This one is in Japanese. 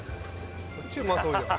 そっちうまそうじゃん